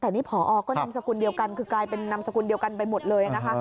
แต่นี่ผอก็นำสกุลเดียวกันคือกลายเป็นนามสกุลเดียวกันไปหมดเลยนะคะ